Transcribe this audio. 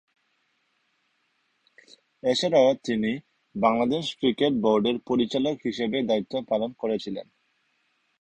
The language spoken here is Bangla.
এছাড়াও তিনি বাংলাদেশ ক্রিকেট বোর্ডের পরিচালক হিসেবে দায়িত্ব পালন করেছিলেন।